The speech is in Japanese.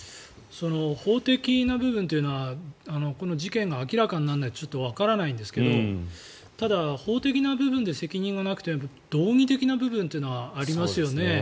法的な部分というのはこの事件が明らかにならないとちょっとわからないですがただ、法的な部分で責任がなくても道義的な部分というのはありますよね。